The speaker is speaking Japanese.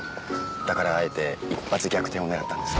だからあえて一発逆転を狙ったんです。